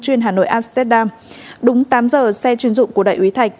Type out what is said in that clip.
chuyên hà nội amsterdam đúng tám giờ xe chuyên dụng của đại úy thạch